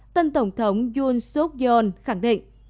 tân tổng thống yoon seok yoon khẳng định